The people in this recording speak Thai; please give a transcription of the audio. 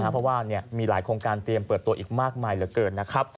เพราะว่ามีหลายโครงการเตรียมเปิดตัวอีกมากมายเหลือเกินนะครับ